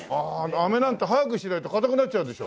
あめなんて早くしないと硬くなっちゃうでしょ。